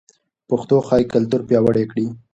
پښتو ښايي کلتور پیاوړی کړي.